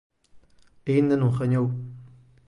Aínda non gañou.